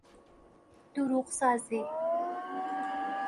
دروغ سازی